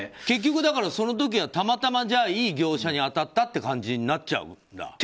結局だからその時はたまたま、いい業者に当たったという感じになっちゃうんだ。